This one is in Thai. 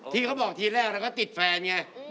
ที่เขาบอกทีแรกแล้วก็ติดแฟนไง